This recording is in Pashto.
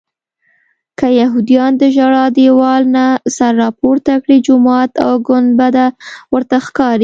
که یهودیان د ژړا دیوال نه سر راپورته کړي جومات او ګنبده ورته ښکاري.